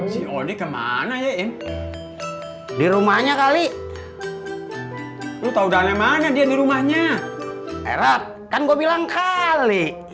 si odi kemana ya di rumahnya kali lu tahu dana mana dia di rumahnya erat kan gua bilang kali